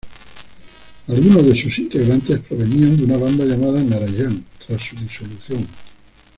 Algunos de sus integrantes provenían de una banda llamada Narayan, tras su disolución.